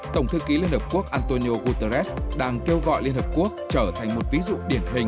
tổng thư ký liên hợp quốc antonio guterres đang kêu gọi liên hợp quốc trở thành một ví dụ điển hình